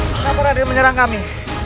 kenapa raden menyerang kami